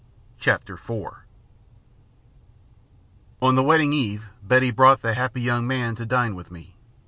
CHAPTER IV On the wedding eve Betty brought the happy young man to dine with me.